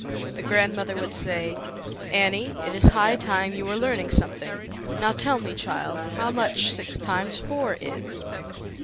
The grandmother would say, " Annie, it is high time you were learning some thing. Now tell me, child, how much six times four is."